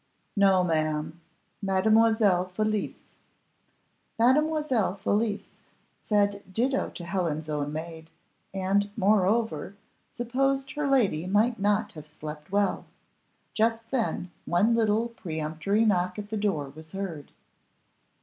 "No, ma'am, Mademoiselle Felicie." Mademoiselle Felicie said ditto to Helen's own maid, and, moreover, supposed her lady might not have slept well. Just then, one little peremptory knock at the door was heard.